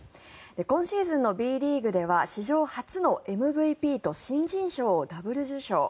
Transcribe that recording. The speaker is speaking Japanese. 今シーズンのＢリーグでは史上初のＭＶＰと新人賞をダブル受賞。